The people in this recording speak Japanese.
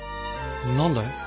何だい？